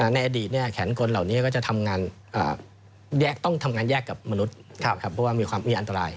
ในอดีตแขนกลเหล่านี้ก็จะทำงานต้องทำงานแยกกับมนุษย์เพราะว่ามีความมีอันตราย